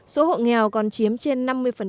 số hộ nghèo còn chiếm trên năm mươi